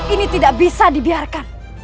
ini tidak bisa dibiarkan